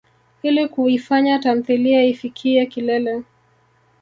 Ili kuifanya tamthilia ifikiye kilele.